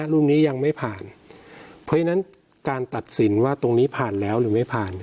รุ่นนี้ยังไม่ผ่านเพราะฉะนั้นการตัดสินว่าตรงนี้ผ่านแล้วหรือไม่ผ่าน